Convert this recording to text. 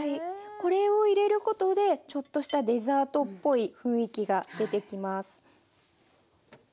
これを入れることでちょっとしたデザートっぽい雰囲気が出てきます。